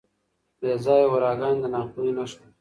بې ځایه هوراګانې د ناپوهۍ نښه ده.